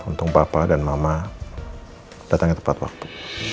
untung papa dan mama datang ke tempat waktu